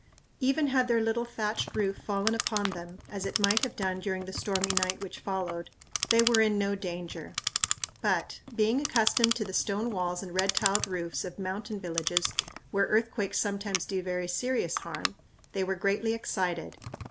Even had their little thatched roof fallen upon them, as it might have done during the stormy night which followed, they were in no danger; but, being accustomed to the stone walls and red tiled roofs of mountain villages where earthquakes sometimes do very serious harm, they were greatly excited.